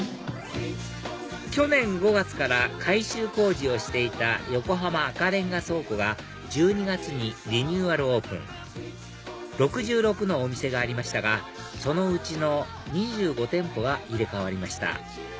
去年５月から改修工事をしていた横浜赤レンガ倉庫が１２月にリニューアルオープン６６のお店がありましたがそのうちの２５店舗が入れ替わりました